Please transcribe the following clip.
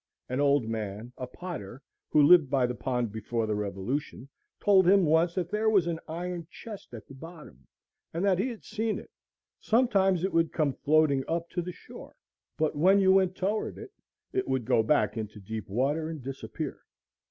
An old man, a potter, who lived by the pond before the Revolution, told him once that there was an iron chest at the bottom, and that he had seen it. Sometimes it would come floating up to the shore; but when you went toward it, it would go back into deep water and disappear.